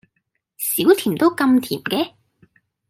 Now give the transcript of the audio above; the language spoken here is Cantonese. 少甜都咁甜嘅？